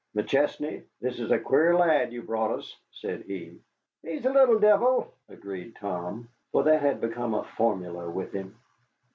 "McChesney, this is a queer lad you brought us," said he. "He's a little deevil," agreed Tom, for that had become a formula with him.